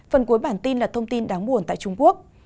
phần cuối bản tin là thông tin đáng buồn tại trung quốc